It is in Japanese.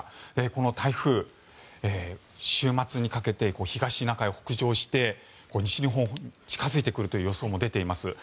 この台風は週末にかけて東シナ海を北上して西日本に近付いてくるという予想も出ています。